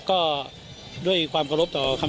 แต่เป็นความเข้าใจผิดของเมฆค้า